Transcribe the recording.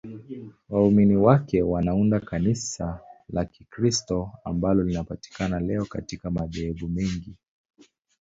Waumini wake wanaunda Kanisa la Kikristo ambalo linapatikana leo katika madhehebu mengi.